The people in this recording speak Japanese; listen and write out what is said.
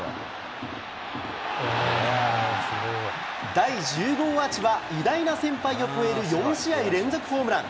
第１０号アーチは、偉大な先輩を超える４試合連続ホームラン。